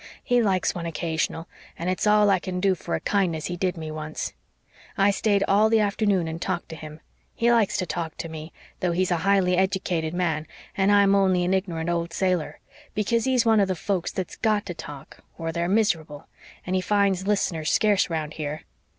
He likes one occasional, and it's all I can do for a kindness he did me once. I stayed all the afternoon and talked to him. He likes to talk to me, though he's a highly eddicated man and I'm only an ignorant old sailor, because he's one of the folks that's GOT to talk or they're miserable, and he finds listeners scarce around here.